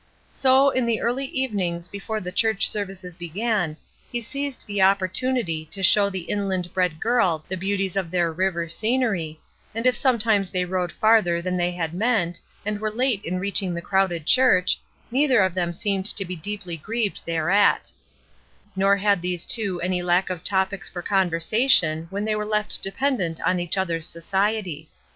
So, in the early evenings before the church services began, he seized the opportimity ThERK WEKE row boats IX FACT, HE HAD ONP: OF HIS OWN. Pane 404. "THE SAME PERSON" 405 to show the inland bred girl the beauties of their river scenery, and if sometimes they rowed farther than they had meant, and were late in reaching the crowded church, neither of them seemed to be deeply grieved thereat. Nor had these two any lack of topics for con versation when they were left dependent on each other's society.